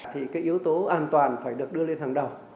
thì cái yếu tố an toàn phải được đưa lên hàng đầu